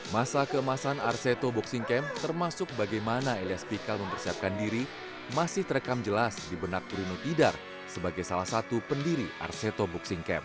masa keemasan arseto boxing camp termasuk bagaimana elias pikal mempersiapkan diri masih terekam jelas di benak runu tidar sebagai salah satu pendiri arseto boxing camp